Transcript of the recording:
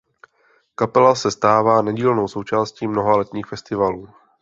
Kapela se stává nedílnou součástí mnoha letních festivalů.